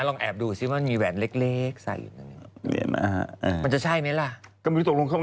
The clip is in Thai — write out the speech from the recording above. แล้วผู้ชายก็เลยบอกว่าขอบคุณครับ